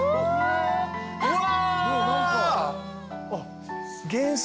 うわ！